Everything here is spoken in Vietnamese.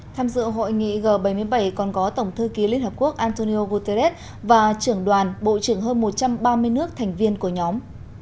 tham dự hội nghị g bảy mươi bảy còn có tổng thư ký liên hợp quốc antonio guterres và trưởng đoàn bộ trưởng hơn một trăm ba mươi nước thành viên của nhóm